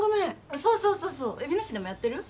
そうそうそうそうえびの市でもやってる？